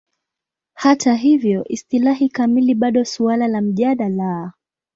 Hata hivyo, istilahi kamili bado suala la mjadala.